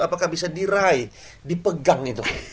apakah bisa diraih dipegang itu